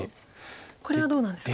これはどうなんですか。